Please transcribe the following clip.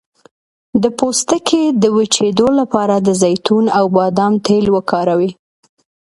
د پوستکي د وچیدو لپاره د زیتون او بادام تېل وکاروئ